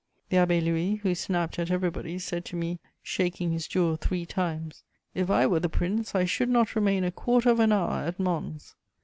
The Abbé Louis, who snapped at everybody, said to me, shaking his jaw three times: "If I were the prince, I should not remain a quarter of an hour at Mons."